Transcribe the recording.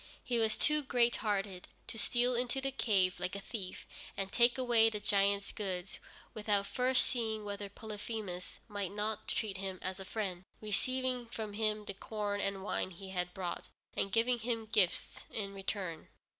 He was too great hearted to steal into the cave like a thief and take away the giant's goods without first seeing whether Polyphemus might not treat him as a friend, receiving from him the corn and wine he had brought, and giving him gifts in return.